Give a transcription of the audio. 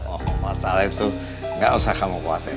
oh masalah itu gak usah kamu kuatin